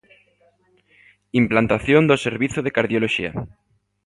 Implantación do Servizo de Cardioloxía.